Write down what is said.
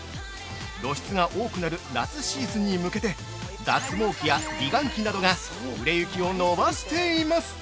露出が多くなる夏シーズンに向けて、脱毛器や美顔器などが売れ行きをのばしています！